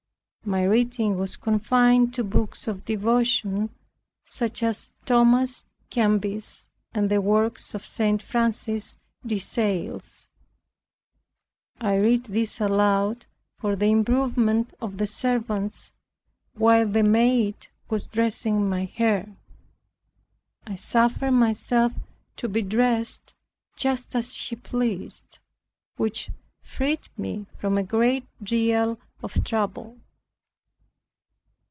My reading was confined to books of devotion, such as Thomas a'Kempis, and the works of St. Francis de Sales. I read these aloud for the improvement of the servants, while the maid was dressing my hair. I suffered myself to be dressed just as she pleased, which freed me from a great deal of trouble.